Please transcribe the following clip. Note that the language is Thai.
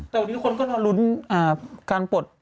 แต่วันนี้ทุกคนก็มาลุ้นการปลด